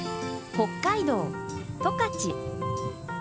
北海道、十勝。